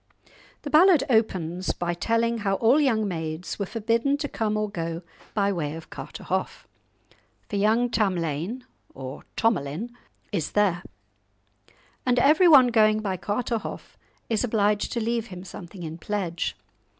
The ballad opens by telling how all young maids were forbidden to come or go by way of Carterhaugh, "for young Tamlane (or Thomalin) is there," and every one going by Carterhaugh is obliged to leave him something in pledge.